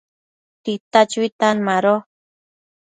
tita chuitan mado